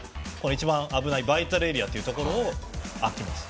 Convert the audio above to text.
一番危ないバイタルエリアというところが空きます。